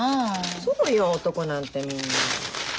そうよ男なんてみんな。